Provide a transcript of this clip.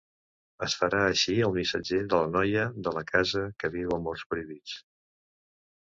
Es farà així el missatger de la noia de la casa que viu amors prohibits.